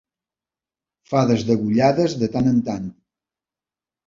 Fades degollades de tant en tant.